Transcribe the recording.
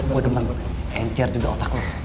buat emang enter juga otak lo